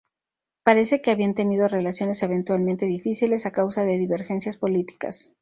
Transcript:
Parece que habían tenido relaciones, eventualmente difíciles a causa de divergencias políticas.